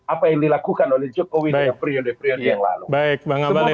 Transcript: apa yang dilakukan oleh jokowi dan priode priode yang lalu